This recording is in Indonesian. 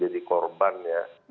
jadi korban ya